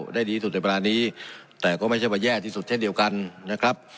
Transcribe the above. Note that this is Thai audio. ได้ดีที่สุดในเวลานี้แต่ก็ไม่ใช่ว่าแย่ที่สุดเช่นเดียวกันนะครับ